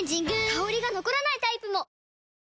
香りが残らないタイプも！